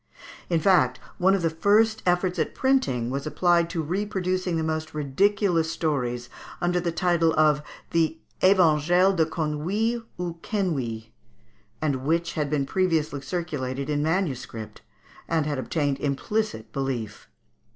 In fact, one of the first efforts at printing was applied to reproducing the most ridiculous stories under the title of the "Evangile des Conuilles ou Quenouilles," and which had been previously circulated in manuscript, and had obtained implicit belief.